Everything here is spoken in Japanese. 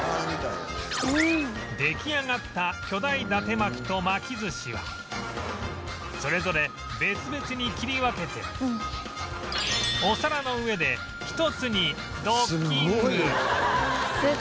出来上がった巨大伊達巻と巻き寿司はそれぞれ別々に切り分けてお皿の上で１つにドッキング！